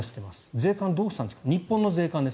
税関どうしたんですか日本の税関です。